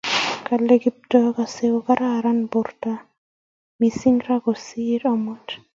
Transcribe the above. kale Kiptoo kasei kole kararan borto mising ra kosir amut